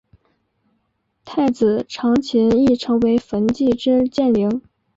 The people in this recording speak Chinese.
太子长琴亦成为焚寂之剑灵。